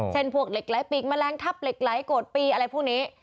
พวกเหล็กไหลปีกแมลงทับเหล็กไหลโกรธปีอะไรพวกนี้